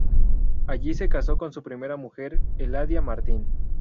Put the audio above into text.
Allí se casó con su primera mujer, Eladia Martín.